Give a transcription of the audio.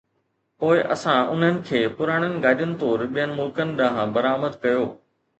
پوءِ اسان انهن کي پراڻن گاڏين طور ٻين ملڪن ڏانهن برآمد ڪيو